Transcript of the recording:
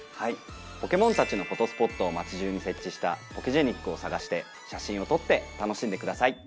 ポケモンたちのフォトスポットを街じゅうに設置したポケジェニックを探して写真を撮って楽しんでください。